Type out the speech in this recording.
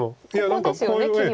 ここですよね切りは。